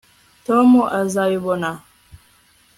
tom azabibona